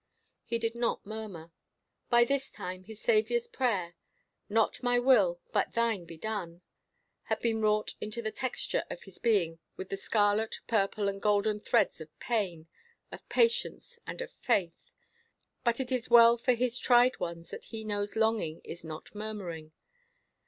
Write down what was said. He did not murmur. By this time his Saviour's prayer, "Not my will, but thine be done," had been wrought into the texture of his being with the scarlet, purple, and golden threads of pain, of patience, and of faith. But it is well for His tried ones that He knows longing is not murmuring.